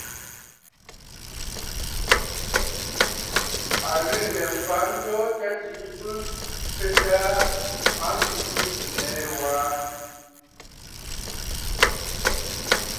À ghɨ̀rə ŋghɛ̀ɛ̀ m̀fa ǹjoo jya jìi bɨ betə aa, a mfiʼi ɨlɛ̀ɛ̂ waa.